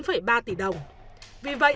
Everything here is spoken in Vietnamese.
vì vậy tài sản này